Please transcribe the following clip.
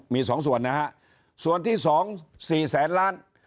มีสองส่วนนะฮะส่วนที่๒๔แสนล้าน